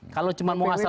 kalau cuma mau hasil